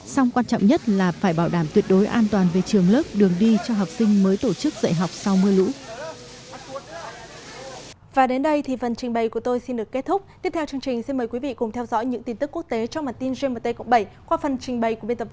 song quan trọng nhất là phải bảo đảm tuyệt đối an toàn về trường lớp đường đi cho học sinh mới tổ chức dạy học sau mưa lũ